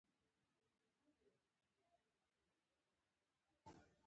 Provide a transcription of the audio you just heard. څو له جبهې څخه ځان پاتې کړم، ګېج وویل: وا وا.